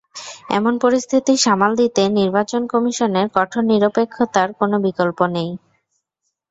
এমন পরিস্থিতি সামাল দিতে নির্বাচন কমিশনের কঠোর নিরপেক্ষতার কোনো বিকল্প নেই।